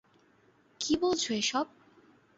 কী বলছো এসব?